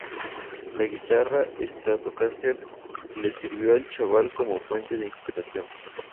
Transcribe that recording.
La guitarra Stratocaster le sirvió al chaval como fuente de inspiración.